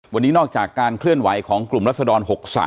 วันนี้นอกจากการเคลื่อนไหวของกลุ่มรัศดร๖๓